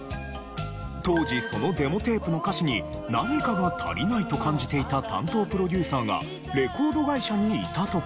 当時そのデモテープの歌詞に何かが足りないと感じていた担当プロデューサーがレコード会社にいたところ。